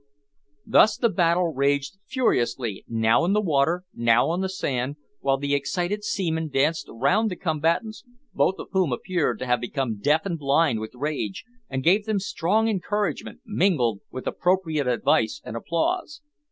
Thus the battle raged furiously, now in the water, now on the sand, while the excited seaman danced round the combatants both of whom appeared to have become deaf and blind with rage and gave them strong encouragement, mingled with appropriate advice and applause.